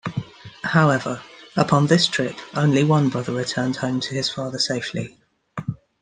However, upon this trip, only one brother returned home to his father safely.